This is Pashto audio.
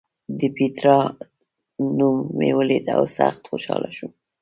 د پېټرا نوم مې ولید او سخت خوشاله شوم.